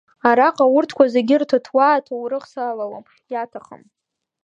Араҟа урҭқәа зегьы ртытуа аҭоурых салалом, иаҭахым.